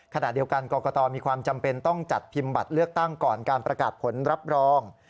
ขณะเดียวกันกรกตมีความจำเป็นต้องจัดพิมพ์บัตรเลือกตั้งก่อนการประกาศผลรับรอง